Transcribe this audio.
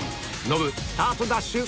ノブスタートダッシュ